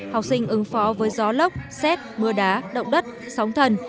học sinh ứng phó với gió lốc xét mưa đá động đất sóng thần